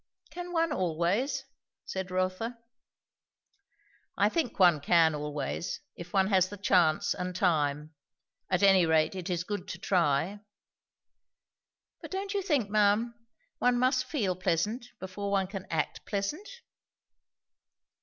'" "Can one, always?" said Rotha. "I think one can always if one has the chance and time. At any rate, it is good to try." "But don't you think, ma'am, one must feel pleasant, before one can act pleasant?"